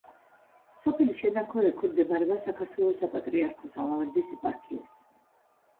სოფელი შენაქო ექვემდებარება საქართველოს საპატრიარქოს ალავერდის ეპარქიას.